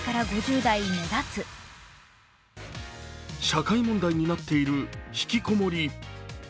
社会問題になっているひきこもり。